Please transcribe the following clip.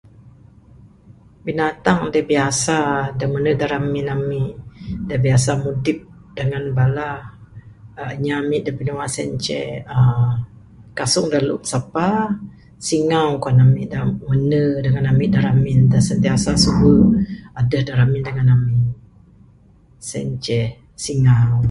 Binatang da biasa da mende da ramin ami da biasa mudip dengan bala aaa nya ami da binua sien inceh uhh kasung da lu ... sapa, singau kuan ami da mende dengan ami da ramin da sentiasa adeh da ramin dengan ami. Sien inceh singau.